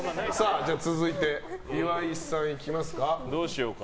続いて、岩井さんいきますか。